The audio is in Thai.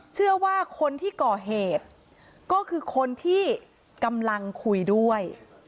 เชื่อว่าคนที่ก่อเหตุก็คือคนที่กำลังคุยด้วย